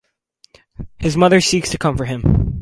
His mother seeks to comfort him.